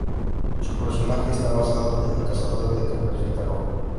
Su personaje está basado en el "Cazador" de ""Caperucita Roja"".